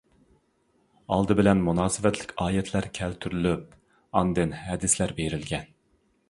ئالدى بىلەن مۇناسىۋەتلىك ئايەتلەر كەلتۈرۈلۈپ، ئاندىن ھەدىسلەر بېرىلگەن.